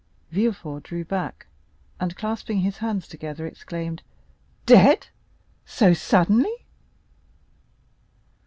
Villefort drew back, and clasping his hands together, exclaimed: "Dead!—so suddenly?"